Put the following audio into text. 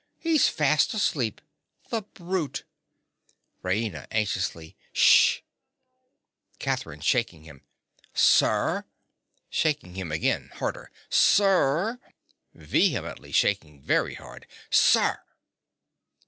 _) He's fast asleep. The brute! RAINA. (anxiously). Sh! CATHERINE. (shaking him). Sir! (Shaking him again, harder.) Sir!! (Vehemently shaking very bard.) Sir!!!